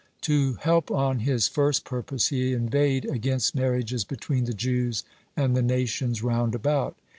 To help on his first purpose, he inveighed against marriages between the Jews and the nations round about.